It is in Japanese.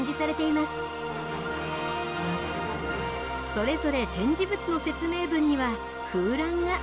それぞれ展示物の説明文には空欄が。